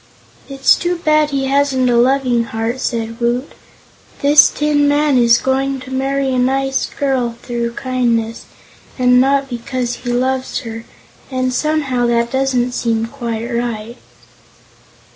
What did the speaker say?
"It's too bad he hasn't a Loving Heart," said Woot. "This Tin Man is going to marry a nice girl through kindness, and not because he loves her, and somehow that doesn't seem quite right."